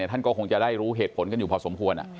ท่านก็คงจะได้รู้เหตุผลกันอยู่พอสมควร